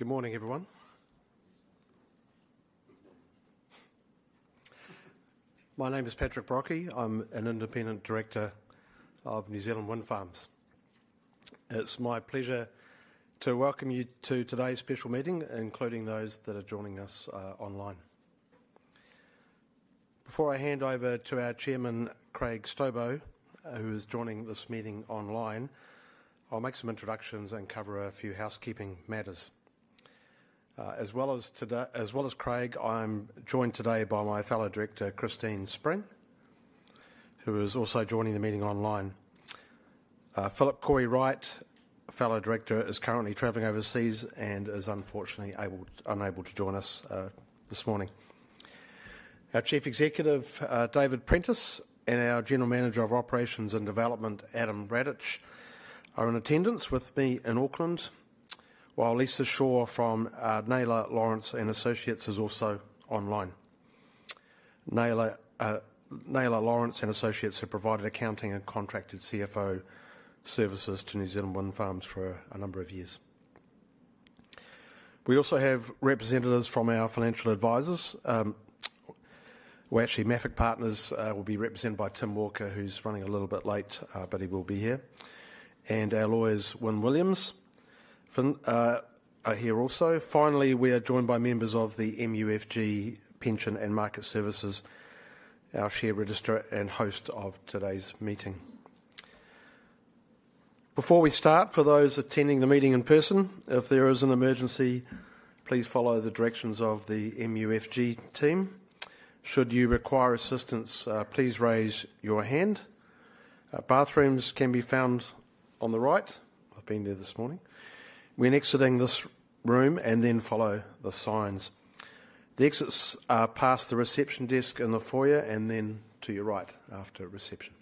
Good morning, everyone. My name is Patrick Brockie. I'm an independent director of NZ Windfarms. It's my pleasure to welcome you to today's special meeting, including those that are joining us online. Before I hand over to our Chairman, Craig Stobo, who is joining this meeting online, I'll make some introductions and cover a few housekeeping matters. As well as Craig, I'm joined today by my fellow director, Christine Spring, who is also joining the meeting online. Philip Cory-Wright, fellow director, is currently travelling overseas and is unfortunately unable to join us this morning. Our Chief Executive, David Prentice, and our General Manager of Operations and Development, Adam Radich, are in attendance with me in Auckland, while Lisa Shaw from Naylor Lawrence and Associates is also online. Naylor Lawrence and Associates have provided accounting and contracted CFO services to NZ Windfarms for a number of years. We also have representatives from our financial advisors. Actually, Mafic Partners will be represented by Tim Walker, who's running a little bit late, but he will be here. Our lawyers, Wynn Williams, are here also. Finally, we are joined by members of the MUFG Pension & Market Services, our share registrar and host of today's meeting. Before we start, for those attending the meeting in person, if there is an emergency, please follow the directions of the MUFG team. Should you require assistance, please raise your hand. Bathrooms can be found on the right. I've been there this morning. When exiting this room, then follow the signs. The exits are past the reception desk in the foyer and then to your right after reception.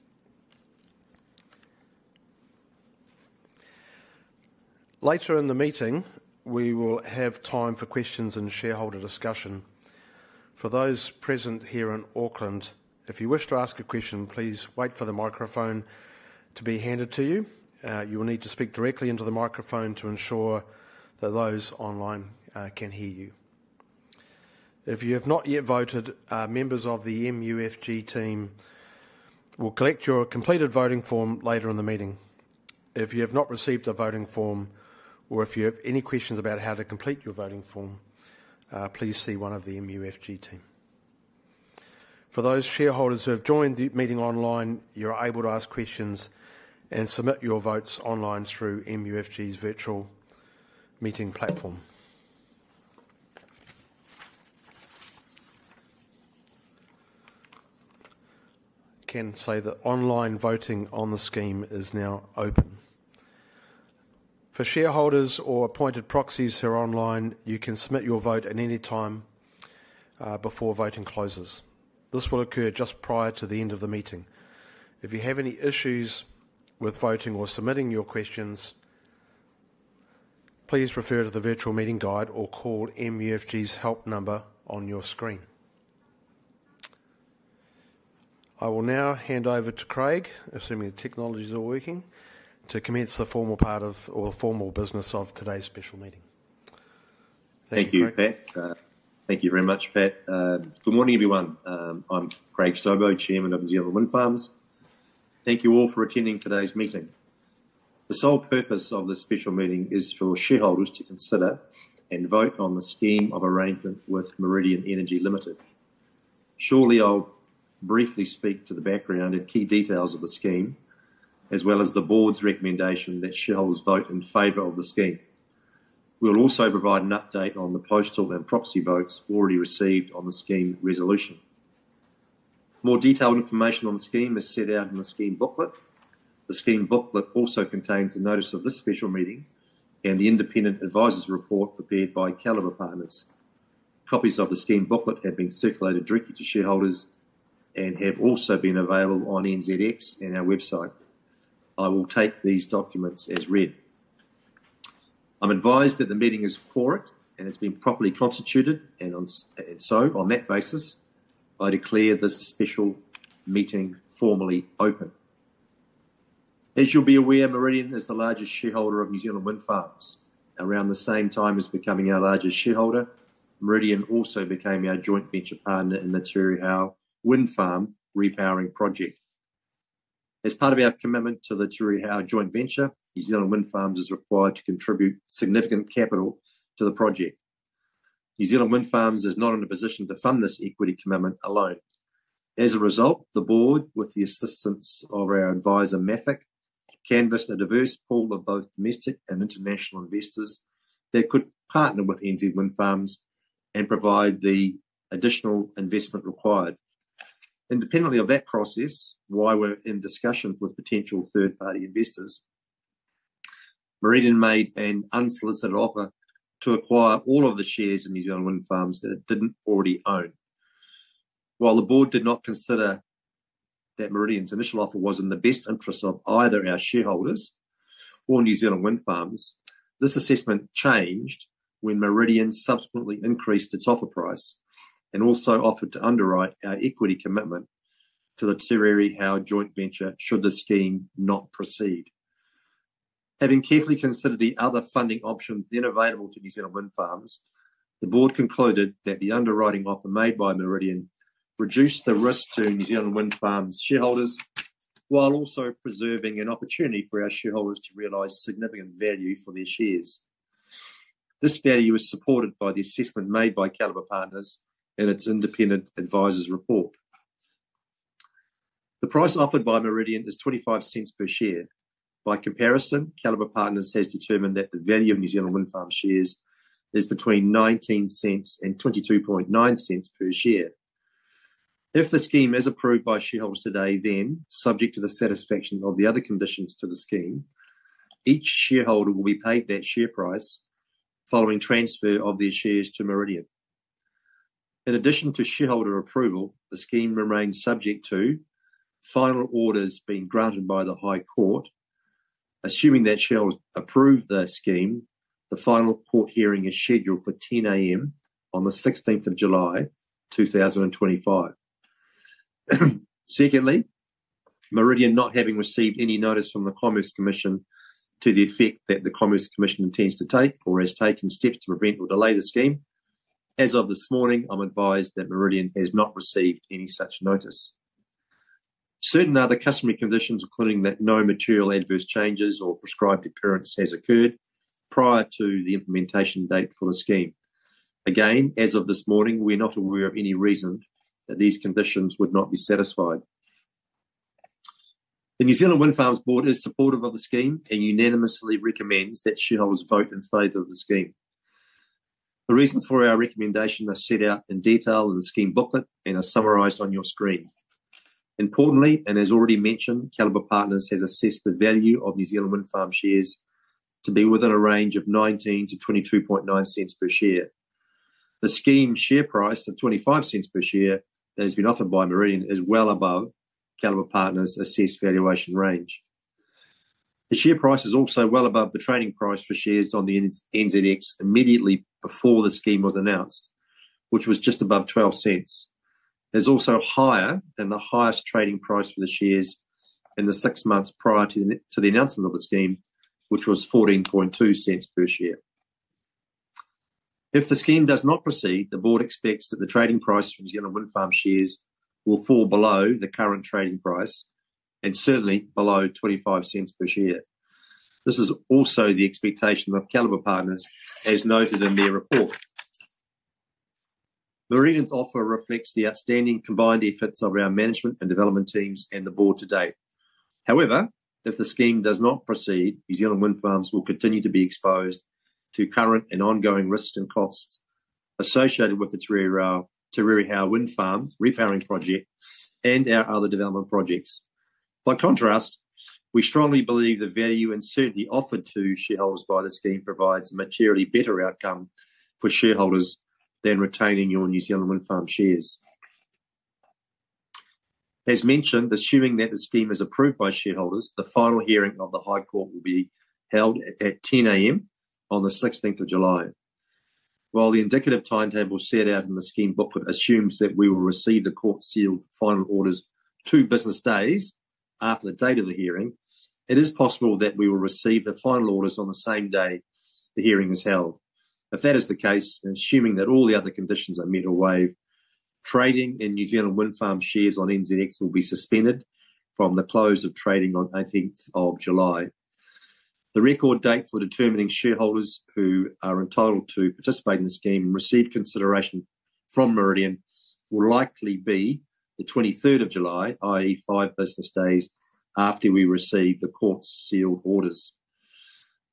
Later in the meeting, we will have time for questions and shareholder discussion. For those present here in Auckland, if you wish to ask a question, please wait for the microphone to be handed to you. You will need to speak directly into the microphone to ensure that those online can hear you. If you have not yet voted, members of the MUFG team will collect your completed voting form later in the meeting. If you have not received a voting form or if you have any questions about how to complete your voting form, please see one of the MUFG team. For those shareholders who have joined the meeting online, you're able to ask questions and submit your votes online through MUFG's virtual meeting platform. I can say that online voting on the scheme is now open. For shareholders or appointed proxies who are online, you can submit your vote at any time before voting closes. This will occur just prior to the end of the meeting. If you have any issues with voting or submitting your questions, please refer to the virtual meeting guide or call MUFG's help number on your screen. I will now hand over to Craig, assuming the technology's all working, to commence the formal part of or the formal business of today's special meeting. Thank you, Pat. Thank you very much, Pat. Good morning, everyone. I'm Craig Stobo, Chairman of NZ Windfarms. Thank you all for attending today's meeting. The sole purpose of this special meeting is for shareholders to consider and vote on the scheme of arrangement with Meridian Energy Limited. Shortly, I'll briefly speak to the background and key details of the scheme, as well as the Board's recommendation that shareholders vote in favor of the scheme. We'll also provide an update on the postal and proxy votes already received on the scheme resolution. More detailed information on the scheme is set out in the scheme booklet. The scheme booklet also contains a notice of this special meeting and the independent advisors' report prepared by Calibre Partners. Copies of the scheme booklet have been circulated directly to shareholders and have also been available on NZX and our website. I will take these documents as read. I'm advised that the meeting is quorate and it's been properly constituted, and on that basis, I declare this special meeting formally open. As you'll be aware, Meridian is the largest shareholder of NZ Windfarms. Around the same time as becoming our largest shareholder, Meridian also became our joint venture partner in the Te Rere Hau Wind Farm repowering project. As part of our commitment to the Te Rere Hau joint venture, NZ Windfarms is required to contribute significant capital to the project. NZ Windfarms is not in a position to fund this equity commitment alone. As a result, the board, with the assistance of our advisor Mafic, canvassed a diverse pool of both domestic and international investors that could partner with NZ Windfarms and provide the additional investment required. Independently of that process, while we're in discussion with potential third-party investors, Meridian made an unsolicited offer to acquire all of the shares in NZ Windfarms that it did not already own. While the board did not consider that Meridian's initial offer was in the best interest of either our shareholders or NZ Windfarms, this assessment changed when Meridian subsequently increased its offer price and also offered to underwrite our equity commitment to the Te Rere Hau joint venture should the scheme not proceed. Having carefully considered the other funding options then available to NZ Windfarms, the board concluded that the underwriting offer made by Meridian reduced the risk to NZ Windfarms' shareholders while also preserving an opportunity for our shareholders to realize significant value for their shares. This value was supported by the assessment made by Calibre Partners and its independent advisors' report. The price offered by Meridian is 0.25 per share. By comparison, Calibre Partners has determined that the value of NZ Windfarms' shares is between 0.19-0.229 per share. If the scheme is approved by shareholders today, then subject to the satisfaction of the other conditions to the scheme, each shareholder will be paid that share price following transfer of their shares to Meridian. In addition to shareholder approval, the scheme remains subject to final orders being granted by the High Court. Assuming that shareholders approve the scheme, the final court hearing is scheduled for 10:00 A.M. on the 16th of July, 2025. Secondly, Meridian not having received any notice from the Commerce Commission to the effect that the Commerce Commission intends to take or has taken steps to prevent or delay the scheme, as of this morning, I'm advised that Meridian has not received any such notice. Certain other customary conditions, including that no material adverse changes or prescribed occurrence has occurred prior to the implementation date for the scheme. Again, as of this morning, we're not aware of any reason that these conditions would not be satisfied. The NZ Windfarms Board is supportive of the scheme and unanimously recommends that shareholders vote in favor of the scheme. The reasons for our recommendation are set out in detail in the scheme booklet and are summarized on your screen. Importantly, and as already mentioned, Calibre Partners has assessed the value of NZ Windfarms' shares to be within a range of 0.19-0.229 per share. The scheme share price of 0.25 per share that has been offered by Meridian is well above Calibre Partners' assessed valuation range. The share price is also well above the trading price for shares on the NZX immediately before the scheme was announced, which was just above 0.12. It's also higher than the highest trading price for the shares in the six months prior to the announcement of the scheme, which was 14.2 cents per share. If the scheme does not proceed, the board expects that the trading price for NZ Windfarms' shares will fall below the current trading price and certainly below 0.25 per share. This is also the expectation of Calibre Partners, as noted in their report. Meridian's offer reflects the outstanding combined efforts of our management and development teams and the board today. However, if the scheme does not proceed, NZ Windfarms will continue to be exposed to current and ongoing risks and costs associated with the Te Rere Hau Wind Farm repowering project and our other development projects. By contrast, we strongly believe the value and certainty offered to shareholders by the scheme provides a materially better outcome for shareholders than retaining your NZ Windfarms shares. As mentioned, assuming that the scheme is approved by shareholders, the final hearing of the High Court will be held at 10:00 A.M. on the 16th of July. While the indicative timetable set out in the scheme booklet assumes that we will receive the court-sealed final orders two business days after the date of the hearing, it is possible that we will receive the final orders on the same day the hearing is held. If that is the case, assuming that all the other conditions are met or waived, trading in NZ Windfarms' shares on NZX will be suspended from the close of trading on the 18th of July. The record date for determining shareholders who are entitled to participate in the scheme and receive consideration from Meridian will likely be the 23rd of July, i.e., five business days after we receive the court-sealed orders.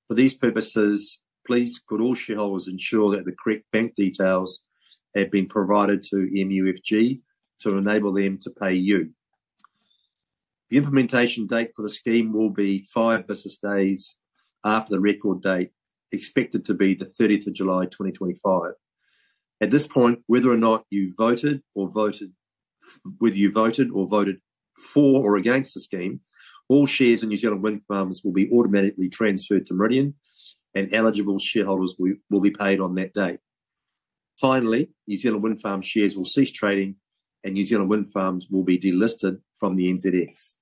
For these purposes, please could all shareholders ensure that the correct bank details have been provided to MUFG to enable them to pay you. The implementation date for the scheme will be five business days after the record date, expected to be the 30th of July, 2025. At this point, whether or not you voted or voted for or against the scheme, all shares in NZ Windfarms will be automatically transferred to Meridian, and eligible shareholders will be paid on that date. Finally, NZ Windfarms' shares will cease trading, and NZ Windfarms will be delisted from the NZX.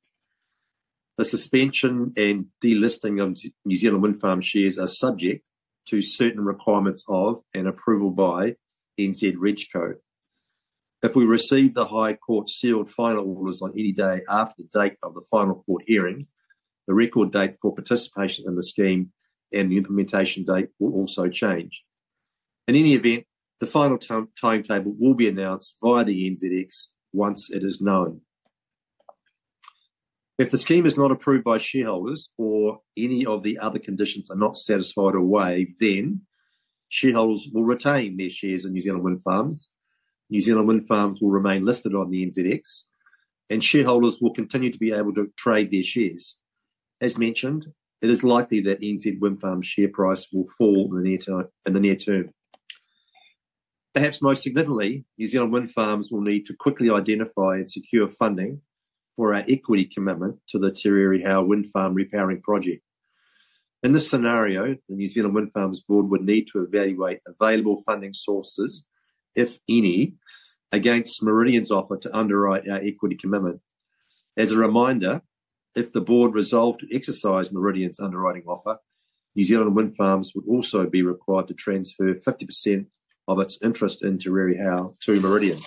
The suspension and delisting of NZ Windfarms' shares are subject to certain requirements of and approval by the NZX. If we receive the High Court-sealed final orders on any day after the date of the final court hearing, the record date for participation in the scheme and the implementation date will also change. In any event, the final timetable will be announced via the NZX once it is known. If the scheme is not approved by shareholders or any of the other conditions are not satisfied or waived, then shareholders will retain their shares in NZ Windfarms. NZ Windfarms will remain listed on the NZX, and shareholders will continue to be able to trade their shares. As mentioned, it is likely that NZ Windfarms' share price will fall in the near term. Perhaps most significantly, NZ Windfarms will need to quickly identify and secure funding for our equity commitment to the Te Rere Hau Wind Farm repowering project. In this scenario, the NZ Windfarms Board would need to evaluate available funding sources, if any, against Meridian's offer to underwrite our equity commitment. As a reminder, if the Board resolved to exercise Meridian's underwriting offer, NZ Windfarms would also be required to transfer 50% of its interest in Te Rere Hau to Meridian.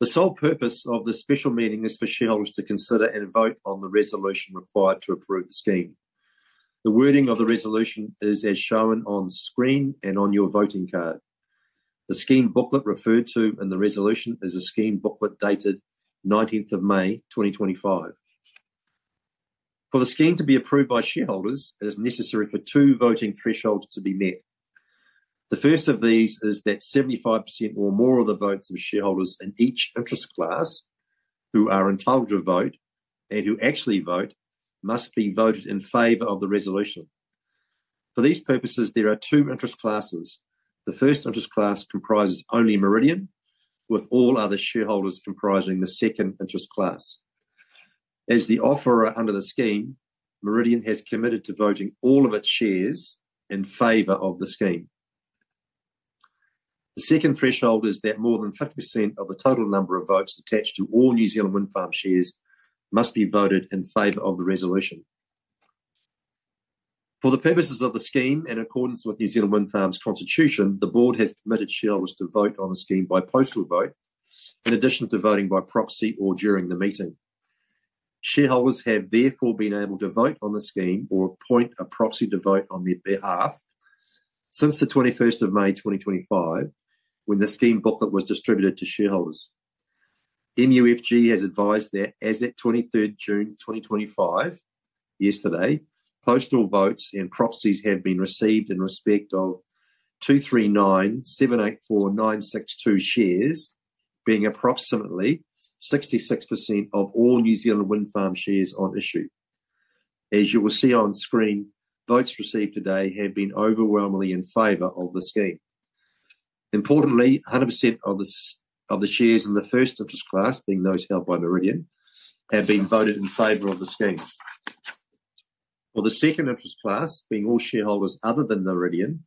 The sole purpose of this special meeting is for shareholders to consider and vote on the resolution required to approve the scheme. The wording of the resolution is as shown on screen and on your voting card. The scheme booklet referred to in the resolution is a scheme booklet dated 19th of May, 2025. For the scheme to be approved by shareholders, it is necessary for two voting thresholds to be met. The first of these is that 75% or more of the votes of shareholders in each interest class who are entitled to vote and who actually vote must be voted in favor of the resolution. For these purposes, there are two interest classes. The first interest class comprises only Meridian, with all other shareholders comprising the second interest class. As the offerer under the scheme, Meridian has committed to voting all of its shares in favor of the scheme. The second threshold is that more than 50% of the total number of votes attached to all NZ Windfarms' shares must be voted in favor of the resolution. For the purposes of the scheme, in accordance with NZ Windfarms Constitution, the board has permitted shareholders to vote on the scheme by postal vote, in addition to voting by proxy or during the meeting. Shareholders have therefore been able to vote on the scheme or appoint a proxy to vote on their behalf since the 21st of May, 2025, when the scheme booklet was distributed to shareholders. MUFG has advised that as of 23rd June 2025, yesterday, postal votes and proxies have been received in respect of 239,784,962 shares, being approximately 66% of all NZ Windfarms' shares on issue. As you will see on screen, votes received today have been overwhelmingly in favor of the scheme. Importantly, 100% of the shares in the first interest class, being those held by Meridian, have been voted in favor of the scheme. For the second interest class, being all shareholders other than Meridian,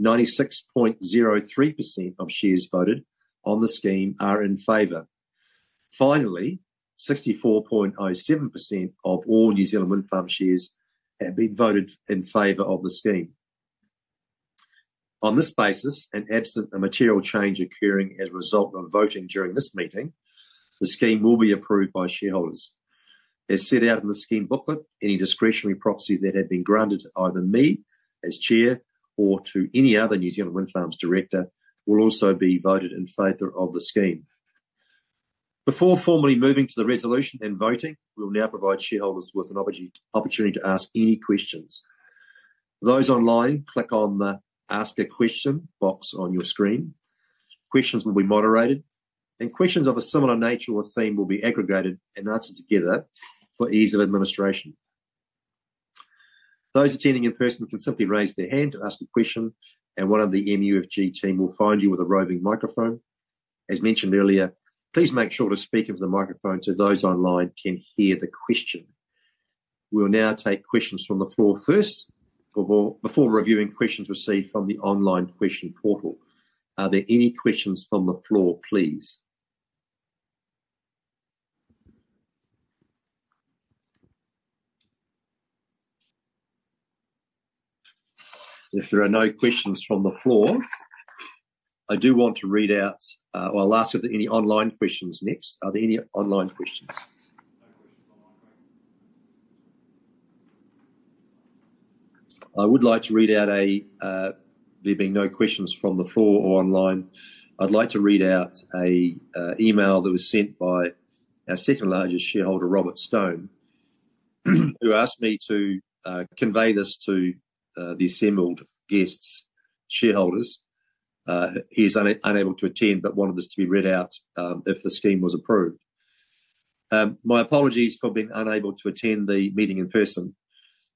96.03% of shares voted on the scheme are in favor. Finally, 64.07% of all NZ Windfarms' shares have been voted in favor of the scheme. On this basis, and absent a material change occurring as a result of voting during this meeting, the scheme will be approved by shareholders. As set out in the scheme booklet, any discretionary proxy that had been granted to either me as Chair or to any other NZ Windfarms director will also be voted in favor of the scheme. Before formally moving to the resolution and voting, we will now provide shareholders with an opportunity to ask any questions. For those online, click on the Ask a Question box on your screen. Questions will be moderated, and questions of a similar nature or theme will be aggregated and answered together for ease of administration. Those attending in person can simply raise their hand to ask a question, and one of the MUFG team will find you with a roving microphone. As mentioned earlier, please make sure to speak into the microphone so those online can hear the question. We'll now take questions from the floor first before reviewing questions received from the online question portal. Are there any questions from the floor, please? If there are no questions from the floor, I do want to read out, or I'll ask if there are any online questions next. Are there any online questions? No questions online, great. I would like to read out a, there being no questions from the floor or online, I'd like to read out an email that was sent by our second largest shareholder, Robert Stone, who asked me to convey this to the assembled guests, shareholders. He is unable to attend but wanted this to be read out if the scheme was approved. My apologies for being unable to attend the meeting in person.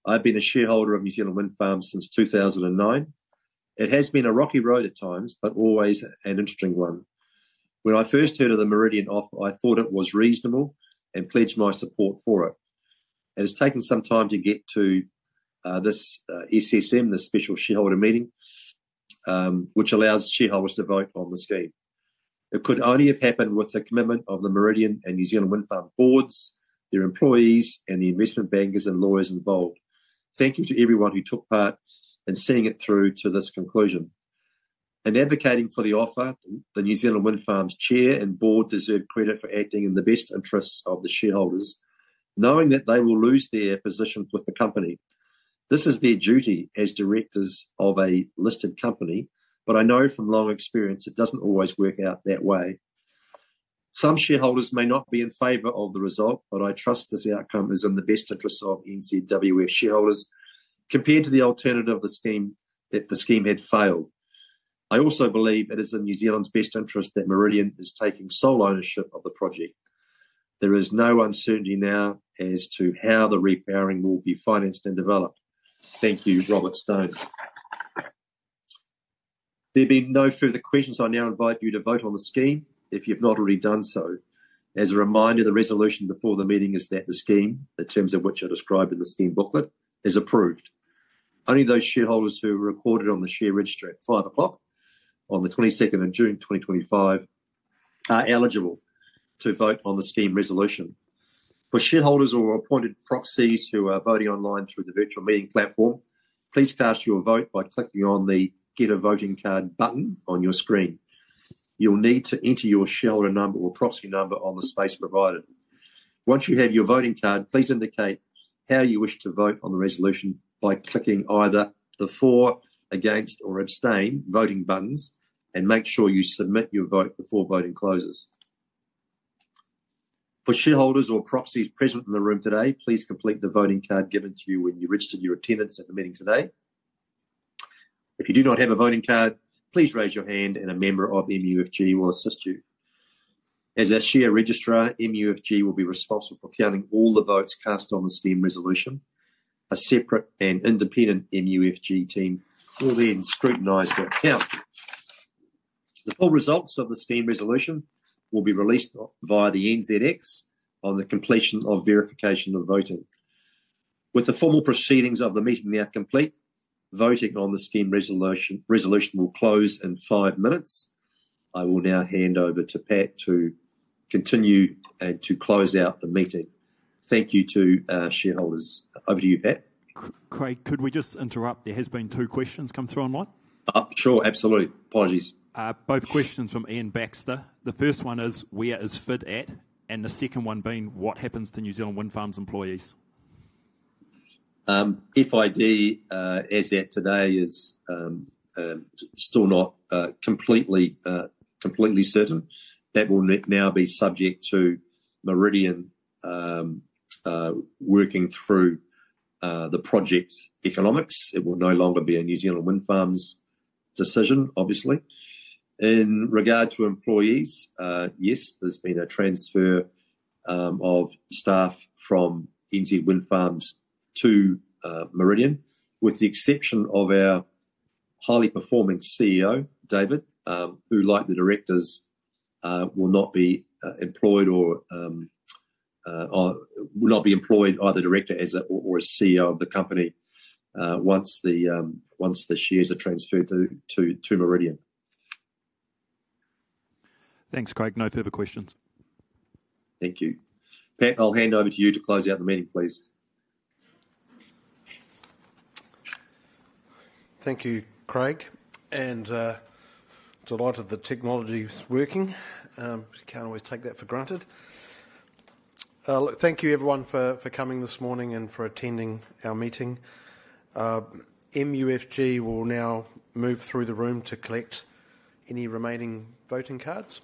I've been a shareholder of NZ Windfarms since 2009. It has been a rocky road at times, but always an interesting one. When I first heard of the Meridian offer, I thought it was reasonable and pledged my support for it. It has taken some time to get to this SSM, this special shareholder meeting, which allows shareholders to vote on the scheme. It could only have happened with the commitment of the Meridian and NZ Windfarms boards, their employees, and the investment bankers and lawyers involved. Thank you to everyone who took part in seeing it through to this conclusion. In advocating for the offer, the NZ Windfarms chair and board deserve credit for acting in the best interests of the shareholders, knowing that they will lose their positions with the company. This is their duty as directors of a listed company, but I know from long experience it does not always work out that way. Some shareholders may not be in favor of the result, but I trust this outcome is in the best interests of NZ Windfarms shareholders compared to the alternative of the scheme if the scheme had failed. I also believe it is in New Zealand's best interest that Meridian is taking sole ownership of the project. There is no uncertainty now as to how the repowering will be financed and developed. Thank you, Robert Stone. There being no further questions, I now invite you to vote on the scheme if you have not already done so. As a reminder, the resolution before the meeting is that the scheme, the terms of which are described in the scheme booklet, is approved. Only those shareholders who are recorded on the share register at 5:00 P.M. on the 22nd of June, 2025, are eligible to vote on the scheme resolution. For shareholders or appointed proxies who are voting online through the virtual meeting platform, please cast your vote by clicking on the Get a Voting Card button on your screen. You'll need to enter your shareholder number or proxy number on the space provided. Once you have your voting card, please indicate how you wish to vote on the resolution by clicking either the For, Against, or Abstain voting buttons and make sure you submit your vote before voting closes. For shareholders or proxies present in the room today, please complete the voting card given to you when you registered your attendance at the meeting today. If you do not have a voting card, please raise your hand and a member of MUFG will assist you. As our share registrar, MUFG will be responsible for counting all the votes cast on the scheme resolution. A separate and independent MUFG team will then scrutinize the count. The full results of the scheme resolution will be released via the NZX on the completion of verification of voting. With the formal proceedings of the meeting now complete, voting on the scheme resolution will close in five minutes. I will now hand over to Pat to continue and to close out the meeting. Thank you to our shareholders. Over to you, Pat. Craig, could we just interrupt? There have been two questions come through online. Sure, absolutely. Apologies. Both questions from Anne Baxter. The first one is, where is FID at? And the second one being, what happens to NZ Windfarms employees? FID, as at today, is still not completely certain. That will now be subject to Meridian working through the project economics. It will no longer be a NZ Windfarms decision, obviously. In regard to employees, yes, there has been a transfer of staff from NZ Windfarms to Meridian, with the exception of our highly performing CEO, David, who, like the directors, will not be employed or will not be employed either director or CEO of the company once the shares are transferred to Meridian. Thanks, Craig. No further questions. Thank you. Pat, I'll hand over to you to close out the meeting, please. Thank you, Craig. And delighted the technology is working. You can't always take that for granted. Thank you, everyone, for coming this morning and for attending our meeting. MUFG will now move through the room to collect any remaining voting cards.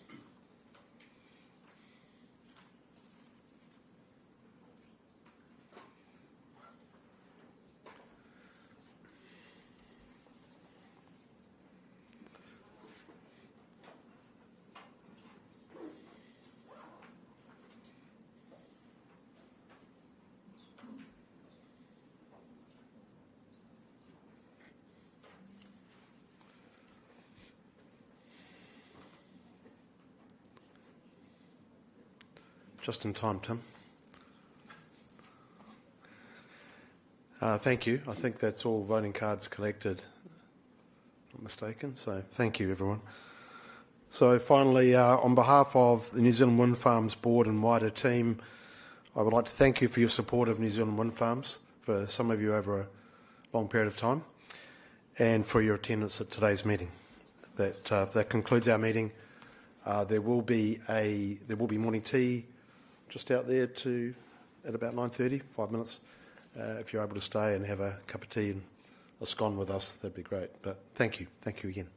Just in time, Tim. Thank you. I think that's all voting cards collected, if I'm not mistaken. Thank you, everyone. Finally, on behalf of the NZ Windfarms Board and wider team, I would like to thank you for your support of NZ Windfarms for some of you over a long period of time and for your attendance at today's meeting. That concludes our meeting. There will be morning tea just out there at about 9:30 A.M., five minutes. If you're able to stay and have a cup of tea and a scone with us, that'd be great. Thank you. Thank you again.